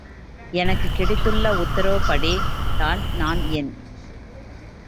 எனக்குக் கிடைத்துள்ள உத்தரவுப்படி தான் நான் என்.